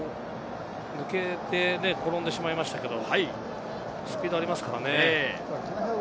抜けて転んでしまいましたけれども、スピードがありますからね。